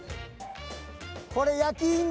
これ焼印？